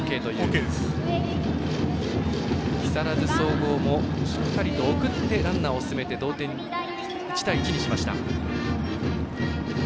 木更津総合もしっかりと送ってランナーを進めて同点１対１にしました。